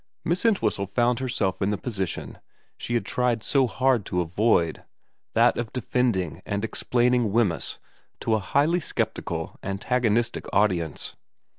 Miss Ent whistle found herself in the position she had tried so hard to avoid, that of defending and explaining Wemyss to a highly sceptical, antagonistic audience.